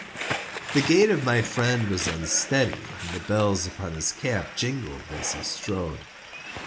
The gait of my friend was unsteady, and the bells upon his cap jingled as he strode.